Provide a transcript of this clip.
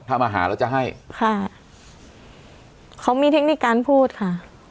ถ้ามาหาแล้วจะให้ค่ะเขามีเทคนิคการพูดค่ะ